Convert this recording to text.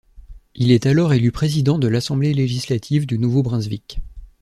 Il est alors élu président de l'Assemblée législative du Nouveau-Brunswick.